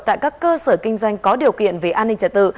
tại các cơ sở kinh doanh có điều kiện về an ninh trật tự